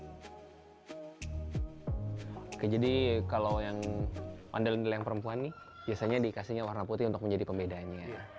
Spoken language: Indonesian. oke jadi kalau yang ondel ondel yang perempuan nih biasanya dikasihnya warna putih untuk menjadi pembedanya